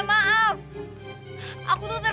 ayo atau aku nunggu budgets